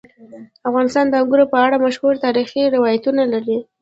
افغانستان د انګورو په اړه مشهور تاریخي روایتونه لري.